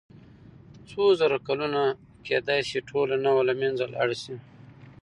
څو زره کلونه کېدای شي ټوله نوعه له منځه لاړه شي.